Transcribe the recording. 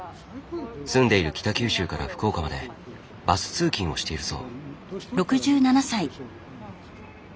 住んでいる北九州から福岡までバス通勤をしているそう。